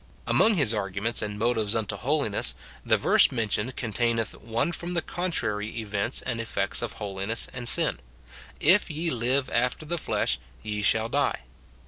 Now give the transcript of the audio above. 13 (145) 146 MORTIFICATION OF Among his arguments and motives unto holiness, the verse mentioned containeth one from the contrary events and effects of holiness and sin :" If ye live after the flesh, ye shall die."